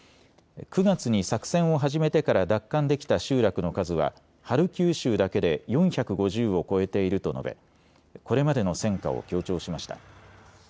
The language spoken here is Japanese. ９月に作戦を始めてから奪還できた集落の数はハルキウ州だけで４５０を超えていると述べこれまでの戦果を強調しました。